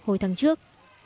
hồi tháng trước